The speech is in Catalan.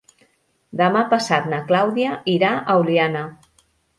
Demà passat na Clàudia irà a Oliana.